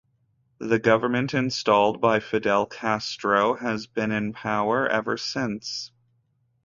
The government installed by Fidel Castro has been in power ever since.